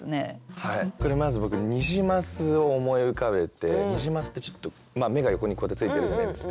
これまず僕ニジマスを思い浮かべてニジマスってちょっと目が横にこうやってついてるじゃないですか。